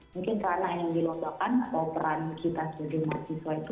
mungkin ranah yang dilombakan atau peran kita sebagai mahasiswa itu